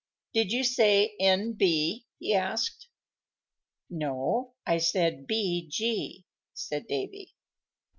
Did you say N.B.?" he asked. "No, I said B.G.," said Davy.